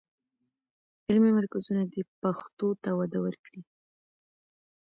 علمي مرکزونه دې پښتو ته وده ورکړي.